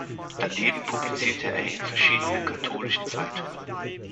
Daneben publizierte er in verschiedenen katholischen Zeitungen.